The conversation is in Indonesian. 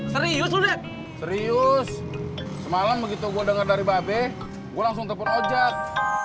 serius serius semalam begitu gua dengar dari bapak gue langsung telepon ojek